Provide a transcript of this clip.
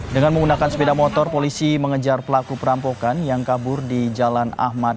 dengan menggunakan sepeda motor polisi mengejar pelaku perampokan yang kabur di jalan ahmad